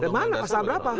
mana pasal berapa